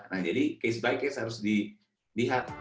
nah jadi case by case harus dilihat